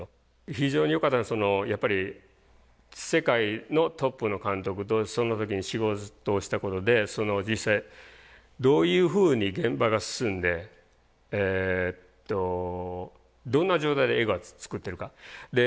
非常によかったのはやっぱり世界のトップの監督とその時に仕事をしたことで実際どういうふうに現場が進んでどんな状態で映画を作ってるか。